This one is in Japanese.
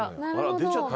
出ちゃった？